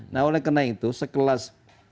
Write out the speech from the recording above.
nah oleh karena itu sekelas